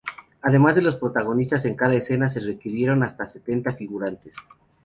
Además de los protagonistas en cada escena se requirieron hasta setenta figurantes.